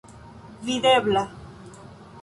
videbla